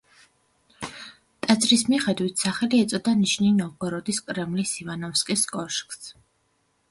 ტაძრის მიხედვით სახელი ეწოდა ნიჟნი-ნოვგოროდის კრემლის ივანოვსკის კოშკს.